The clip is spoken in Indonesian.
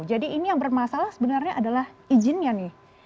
jadi ini yang bermasalah sebenarnya adalah izinnya nih